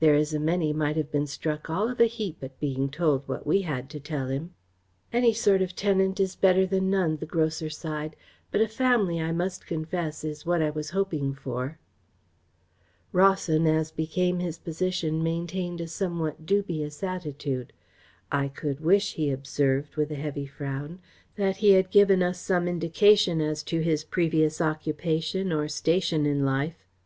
"There is a many might have been struck all of a heap at being told what we had to tell him." "Any sort of tenant is better than none," the grocer sighed, "but a family, I must confess, is what I was hoping for." Rawson, as became his position, maintained a somewhat dubious attitude. "I could wish," he observed, with a heavy frown, "that he had given us some indication as to his previous occupation or station in life.